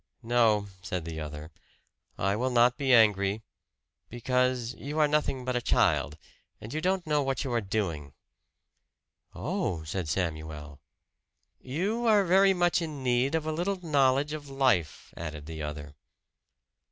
"No," said the other, "I will not be angry because you are nothing but a child, and you don't know what you are doing." "Oh!" said Samuel. "You are very much in need of a little knowledge of life," added the other.